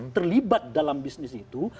terlibat dalam bisnis itu